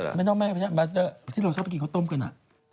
แบบที่เราชอบไปกินเขาต้มกันอ่ะ